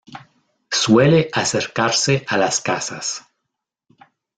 Suele acercarse a las casas.